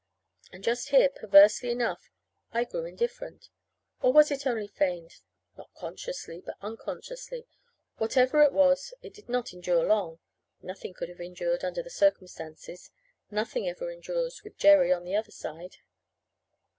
And just here, perversely enough, I grew indifferent. Or was it only feigned not consciously, but unconsciously? Whatever it was, it did not endure long. Nothing could have endured, under the circumstances. Nothing ever endures with Jerry on the other side.